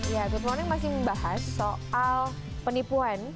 ya tutu orangnya masih membahas soal penipuan